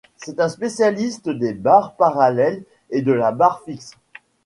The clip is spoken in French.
C'est un spécialiste des barres parallèles et de la barre fixe.